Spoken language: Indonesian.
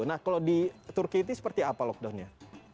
nah kalau di turki itu seperti apa lockdownnya